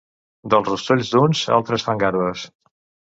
Dels rostolls d'uns, altres fan garbes.